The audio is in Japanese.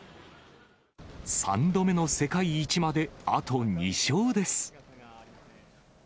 ３度目の世界一まで、あと２勝です。